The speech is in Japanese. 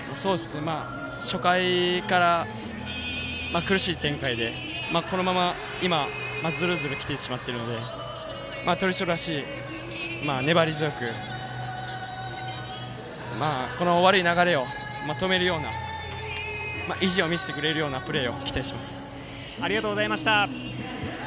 初回から、苦しい展開でこのままズルズル来てしまっているので鳥商らしい粘り強くこの悪い流れを止めるような意地を見せてくれるようなありがとうございました。